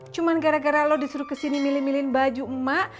cuma gara gara lo disuruh kesini milih milihin baju emak